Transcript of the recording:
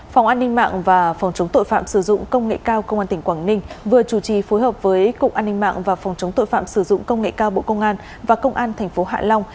phòng an ninh mạng và phòng chống tội phạm sử dụng công nghệ cao công an tỉnh quảng ninh vừa chủ trì phối hợp với cục an ninh mạng và phòng chống tội phạm sử dụng công nghệ cao bộ công an và công an tp hạ long